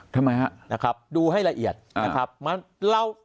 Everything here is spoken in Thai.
ทำไมฮะนะครับดูให้ละเอียดอ่านะครับมันเรา